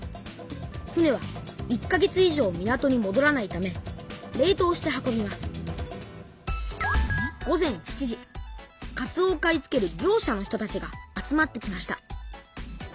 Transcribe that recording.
船は１か月以上港にもどらないため冷とうして運びますかつおを買い付ける業者の人たちが集まってきました。